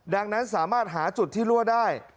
ดังนั้นสามารถหาจุดที่รั่วได้